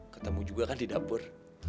ketemu juga kan di dapur